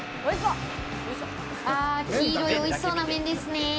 黄色い、おいしそうな麺ですね！